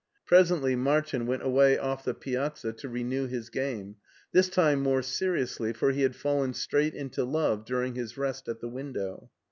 Presently Martin went away off the piazza to re new his game, this time more seriously for he had fallen straight into love during his rest at the window.